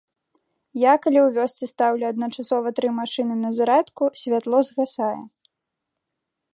Я, калі ў вёсцы стаўлю адначасова тры машыны на зарадку, святло згасае.